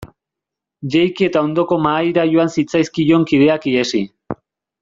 Jaiki eta ondoko mahaira joan zitzaizkion kideak ihesi.